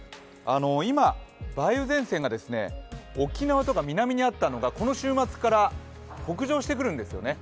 今、梅雨前線が沖縄とか南にあったのがこの週末から北上してくるんですよね。